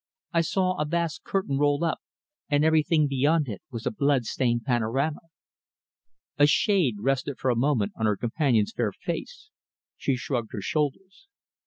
I saw a vast curtain roll up, and everything beyond it was a blood stained panorama." A shade rested for a moment on her companion's fair face. She shrugged her shoulders.